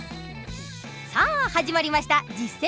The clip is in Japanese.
さあ始まりました「実践！